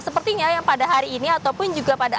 nah sepertinya yang pada hari ini ataupun juga pada arus balik